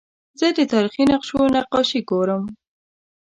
زه د تاریخي نقشو نقاشي ګورم.